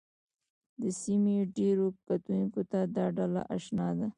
د سیمې ډېرو کتونکو ته دا ډله اشنا ده